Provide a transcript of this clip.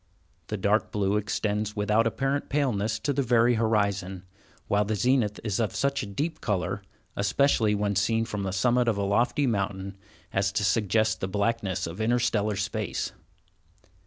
The dark blue extends without apparent paleness to the very horizon, while the zenith is of such a deep color, especially when seen from the summit of a lofty mountain, as to suggest the blackness of interstellar space.